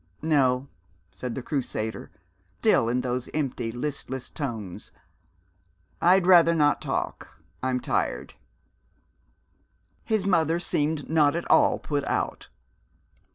"No," said the Crusader, still in those empty, listless tones. "I'd rather not talk. I'm tired." His mother seemed not at all put out.